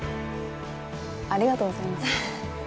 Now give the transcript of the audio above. ありがとうございます。